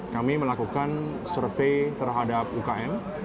kami melakukan survei terhadap ukm